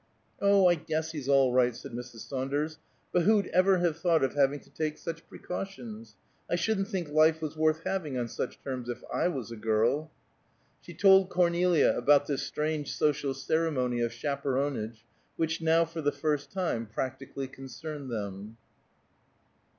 "Oh, I guess he's all right," said Mrs. Saunders. "But who'd ever have thought of having to take such precautions? I shouldn't think life was worth having on such terms, if I was a girl." She told Cornelia about this strange social ceremony of chaperonage, which now for the first time practically concerned them.